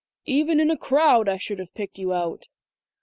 Even in a crowd I should have picked you out."